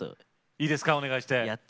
いいですかお願いして。